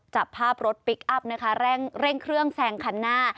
จับภาพรถพลิกอัพนะคะเร่งเครื่องแซงคันหน้า